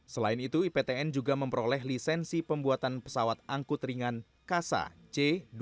selain itu iptn juga memperoleh lisensi pembuatan pesawat angkut ringan kasa c dua ratus dua